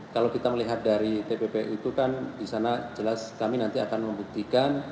kalau kita melihat dari tppu itu kan di sana jelas kami nanti akan membuktikan